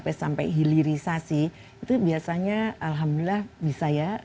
sampai hilirisasi itu biasanya alhamdulillah bisa ya